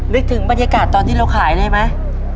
นึกถึงบรรยากาศตอนที่เราขายได้ไหม